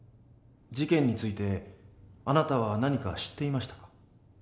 事件についてあなたは何か知っていましたか？